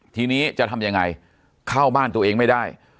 ทีนี้จะทำยังไงเข้าบ้านตัวเองไม่ได้